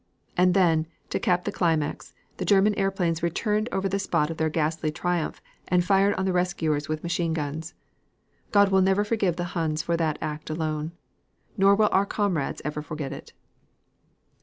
"And then, to cap the climax, the German airplanes returned over the spot of their ghastly triumph and fired on the rescuers with machine guns. God will never forgive the Huns for that act alone. Nor will our comrades ever forget it."